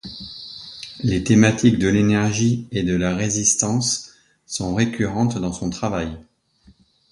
Les thématiques de l'énergie et de la résistance sont récurrentes dans son travail.